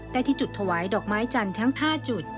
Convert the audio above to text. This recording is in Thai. ที่จุดถวายดอกไม้จันทร์ทั้ง๕จุด